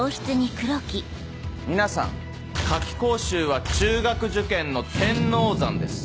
皆さん夏期講習は中学受験の天王山です。